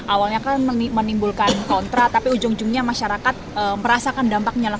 awalnya kan menimbulkan kontra tapi ujung ujungnya masyarakat merasakan dampaknya lah